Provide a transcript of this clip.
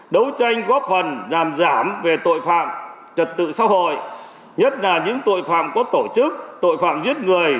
đấu tranh góp phần giảm về tội phạm trật tự xã hội nhất là những tội phạm có tổ chức tội phạm giết người